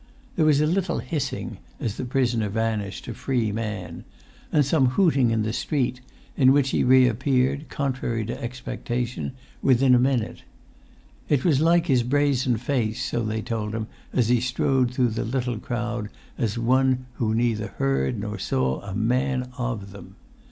There was a little hissing as the prisoner vanished, a free man; and some hooting in the street, in which he reappeared, contrary to expectation, within a minute. It was like his brazen face, so they told him as he strode through the little crowd as one who neither heard nor saw a man of them.